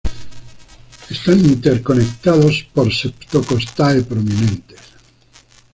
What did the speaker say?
Están interconectados por septo-costae prominentes.